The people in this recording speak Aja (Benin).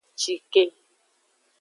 Cike.